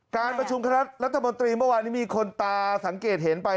การประชุมคณะรัฐมนตรีเมื่อวานนี้มีคนตาสังเกตเห็นไป